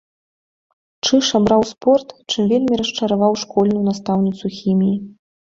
Чыж абраў спорт, чым вельмі расчараваў школьную настаўніцу хіміі.